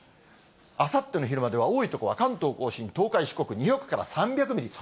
あさっての昼までは多いとこは関東甲信、東海、四国２００から３００ミリ。